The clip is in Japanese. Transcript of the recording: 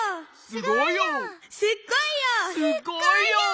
すっごいよ！